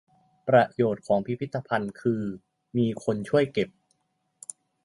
ประโยชน์ของพิพิธภัณฑ์คือ มีคนช่วยเก็บ